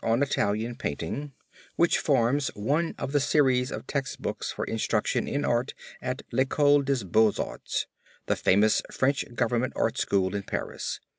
Nouvelle Edition), which forms one of the series of text books for instruction in art at L'Ecole Des Beaux Arts the famous French Government Art School in Paris.